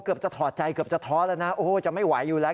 เกือบจะถอดใจเกือบจะท้อแล้วนะโอ้โหจะไม่ไหวอยู่แล้ว